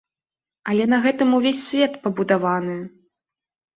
Але на гэтым увесь свет пабудаваны!